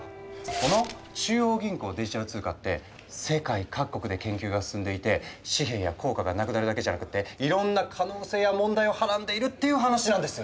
この中央銀行デジタル通貨って世界各国で研究が進んでいて紙幣や硬貨がなくなるだけじゃなくっていろんな可能性や問題をはらんでいるっていう話なんですよ。